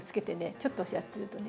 ちょっとやってるとね。